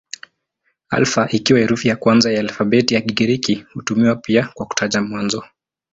Alfa ikiwa herufi ya kwanza ya alfabeti ya Kigiriki hutumiwa pia kwa kutaja mwanzo.